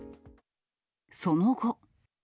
その後。